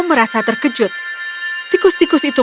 aku sudah menangkap tikus itu